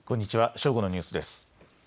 正午のニュースです。